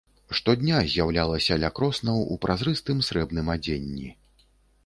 Штодня з'яўлялася ля кроснаў у празрыстым срэбным адзенні.